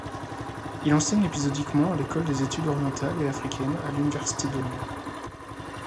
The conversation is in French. Il enseigne épisodiquement à l'École des études orientales et africaines à l'université de Londres.